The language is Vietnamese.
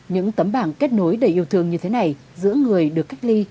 những tấm bảng kết nối đầy yêu thương như thế này giữa người được cách ly